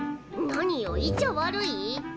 何よいちゃ悪い！？